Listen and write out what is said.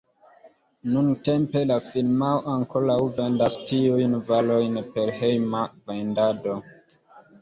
Nuntempe la firmao ankoraŭ vendas tiujn varojn per hejma vendado.